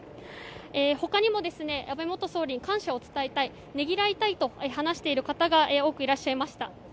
ほかにも安倍元総理に感謝を伝えたいねぎらいたいと話している方が多くいらっしゃいました。